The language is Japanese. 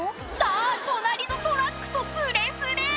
あっ隣のトラックとすれすれ！